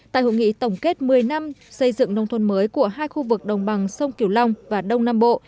tại hội nghị tổng kết một mươi năm xây dựng nông thôn mới của hai khu vực đồng bằng sông kiều long và đông nam bộ